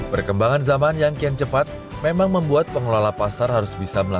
perkembangan zaman yang kian cepat memang membuat pengelola pasar